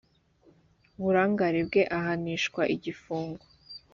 burangare bwe ahanishwa igifungo